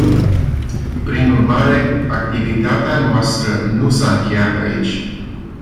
Prin urmare, activitatea noastră nu s-a încheiat aici.